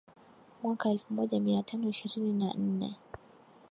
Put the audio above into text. mwaka elfu moja mia tano ishirini na nne